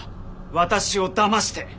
私をだまして。